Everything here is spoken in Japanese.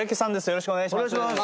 よろしくお願いします。